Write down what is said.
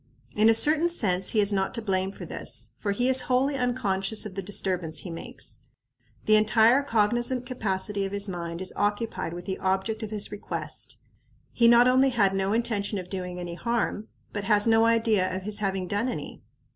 In a certain sense he is not to blame for this, for he is wholly unconscious of the disturbance he makes. The entire cognizant capacity of his mind is occupied with the object of his request. He not only had no intention of doing any harm, but has no idea of his having done any.